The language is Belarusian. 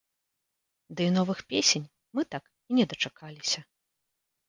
Ды і новых песень мы так і не дачакаліся.